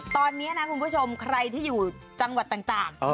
ตอนนี้นะคุณผู้ชมใครที่อยู่จังหวัดต่าง